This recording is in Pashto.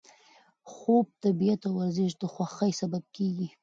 خوب، طبیعت او ورزش د خوښۍ سبب کېږي.